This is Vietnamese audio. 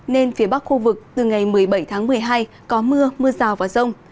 nên phía bắc khu vực từ ngày một mươi bảy tháng một mươi hai có mưa mưa rào và rông